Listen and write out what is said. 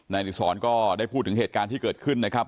อดิษรก็ได้พูดถึงเหตุการณ์ที่เกิดขึ้นนะครับ